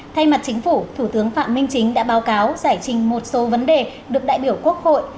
thay mặt chính phủ thủ tướng phạm minh chính đã báo cáo giải trình một số vấn đề được đại biểu quốc hội